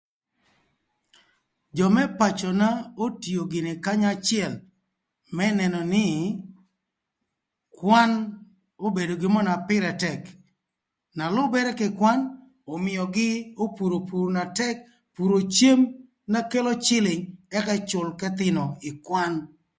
Jö më pacöna otio gïnï kanya acël më nënö nï kwan obedo gin mörö na pïrë tëk na lübërë kï kwan ömïögï opuro pur na tëk epuro cem na kelo cïlïng ëk ëcül ëthïnö ï kwan.